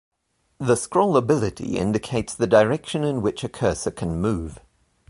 The scrollability indicates the direction in which a cursor can move.